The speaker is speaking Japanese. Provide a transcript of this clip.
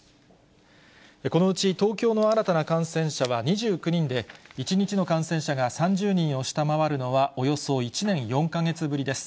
このうち東京の新たな感染者は２９人で、１日の感染者が３０人を下回るのは、およそ１年４か月ぶりです。